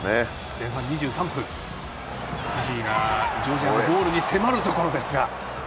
前半２３分、フィジーがジョージアのゴールに迫るところ。